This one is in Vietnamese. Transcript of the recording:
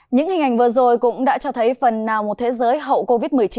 những hình ảnh vừa rồi cũng đã cho thấy phần nào một thế giới hậu covid một mươi chín